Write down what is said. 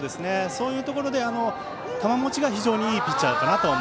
そういうところで球もちが非常にいいピッチャーです。